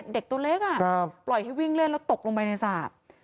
ตัวเล็กปล่อยให้วิ่งเล่นแล้วตกลงไปในสระ